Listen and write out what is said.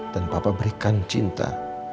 dan papa berikan cinta